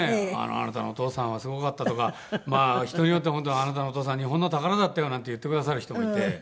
「あなたのお父さんはすごかった」とか人によっては本当「あなたのお父さんは日本の宝だったよ」なんて言ってくださる人もいて。